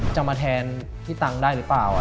จะมาแทนพี่ตังค์ได้หรือเปล่า